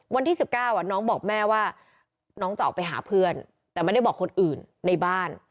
วันที่๑๙น้องบอกแม่ว่าน้องจะออกไปหาเพื่อนแต่ไม่ได้บอกคนอื่นในบ้าน